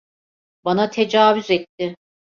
Bana tecavüz etti.